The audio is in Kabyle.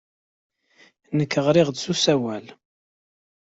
Nekk ɣriɣ-d s usawal.